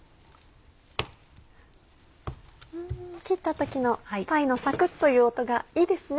切った時のパイのサクっという音がいいですね。